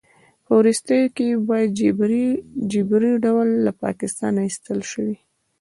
په وروستیو کې په جبري ډول له پاکستانه ایستل شوی